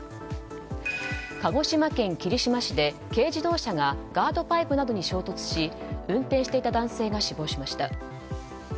鹿児島県霧島市で軽自動車がガードパイプなどに衝突し運転していた男性が死亡しました。